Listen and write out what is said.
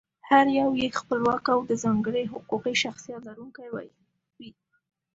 هر یو یې خپلواک او د ځانګړي حقوقي شخصیت لرونکی وي.